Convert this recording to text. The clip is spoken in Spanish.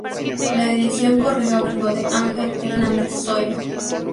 La Edición corrió a cargo de Ángel Hernández Zoido.